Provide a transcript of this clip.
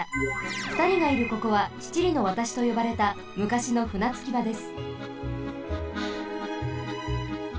ふたりがいるここは七里の渡しとよばれた昔のふなつきばです。